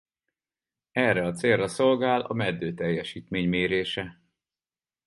Erre a célra szolgál a meddő teljesítmény mérése.